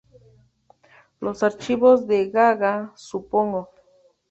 Los Archivos de Gaga, supongo.